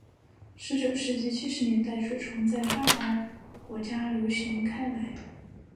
十九世纪七十年代水床在发达国家流行开来。